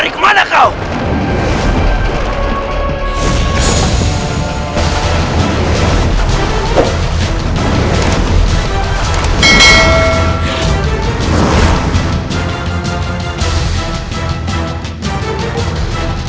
kemana kau menerbang